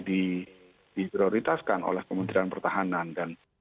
jadi itu sudah mulai di prioritaskan oleh kementerian pertahanan